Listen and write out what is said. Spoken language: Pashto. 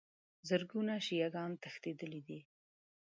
زرګونو شیعه ګان تښتېدلي دي.